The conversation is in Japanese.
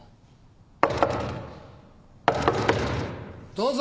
どうぞ！